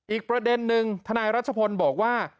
อีกประเด็นนึงทนายรัชพลบอกว่า